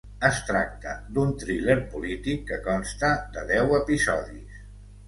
Es tracta d'un thriller polític que consta de deu episodis.